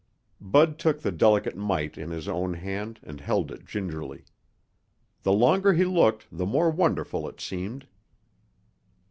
Bud took the delicate mite in his own hand and held it gingerly. The longer he looked, the more wonderful it seemed.